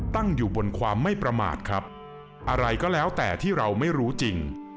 ตั้งอยู่บนความไม่ประมาทครับอะไรก็แล้วแต่ที่เราไม่รู้จริง